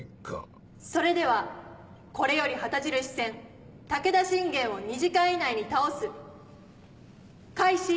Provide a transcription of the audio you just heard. それではこれより旗印戦「武田信玄を２時間以内に倒す」開始。